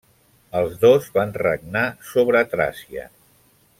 El dos van regnar sobre Tràcia.